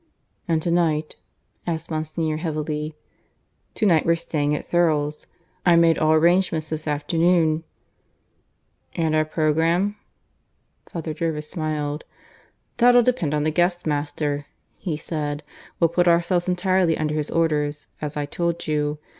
"And to night?" asked Monsignor heavily. "To night we're staying at Thurles. I made all arrangements this afternoon." "And our programme?" Father Jervis smiled. "That'll depend on the guest master," he said, "We put ourselves entirely under his orders, as I told you.